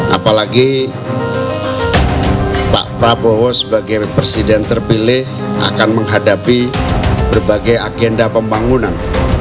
apalagi pak prabowo sebagai presiden terpilih akan menghadapi berbagai agenda pembangunan